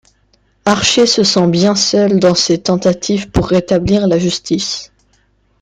Archer se sent bien seul dans ses tentatives pour rétablir la justice.